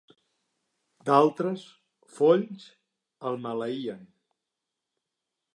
D'altres, folls, el maleïen.